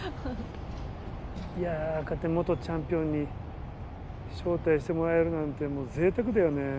いやこうやって元チャンピオンに招待してもらえるなんてもうぜいたくだよね。